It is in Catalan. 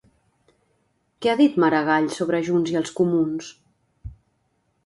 Què ha dit Maragall sobre Junts i els comuns?